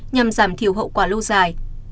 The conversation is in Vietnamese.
nhằm giảm thiểu hậu quả lâu dài